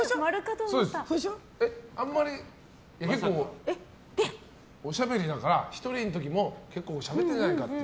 結構おしゃべりだから１人の時も結構しゃべってるんじゃないかって。